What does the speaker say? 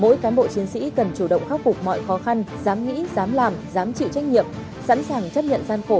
mỗi cán bộ chiến sĩ cần chủ động khắc phục mọi khó khăn dám nghĩ dám làm dám chịu trách nhiệm sẵn sàng chấp nhận gian khổ